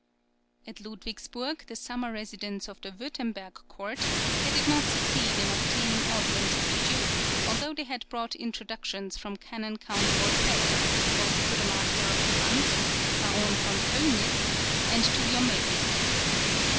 At Ludwigsburg, the summer residence of the Wurtemburg court, they did not succeed in obtaining audience of the Duke, although they had brought introductions from {LUDWIGSBURG, 1763 JOMELLI.} (31) Canon Count Wolfegg, both to the Master of the Hunt, Bar. v. Pölnitz, and to Jomelli.